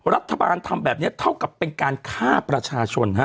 รัฐบาลทำแบบนี้เท่ากับเป็นการฆ่าประชาชน